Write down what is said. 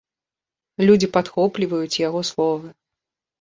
Людзі падхопліваюць яго словы.